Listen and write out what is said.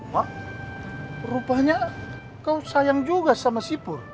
wah rupanya kau sayang juga sama si pur